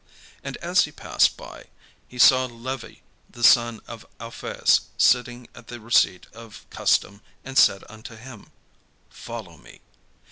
And as he passed by, he saw Levi the son of Alphaeus sitting at the receipt of custom, and said unto him: "Follow me."